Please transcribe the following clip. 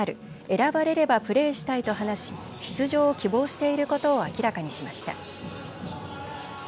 選ばれればプレーしたいと話し出場を希望していることを明らかにしました。